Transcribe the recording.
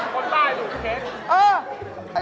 คนใบดูดเค้ก